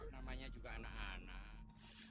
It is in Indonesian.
namanya juga anak anak